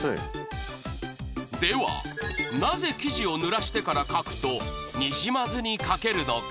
ではなぜ生地をぬらしてから書くとにじまずに書けるのか？